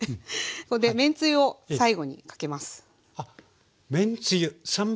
ここでめんつゆを最後にかけます。